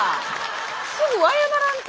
すぐ謝らんと。